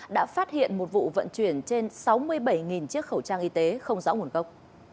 đã phát hiện một vụ vận chuyển trên sáu mươi bảy chiếc khẩu trang y tế không rõ nguồn gốc